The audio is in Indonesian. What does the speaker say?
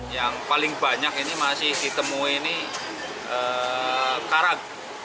yang paling banyak ini masih ditemui ini karak